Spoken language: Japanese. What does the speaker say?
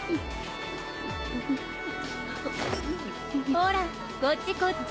ほらこっちこっち。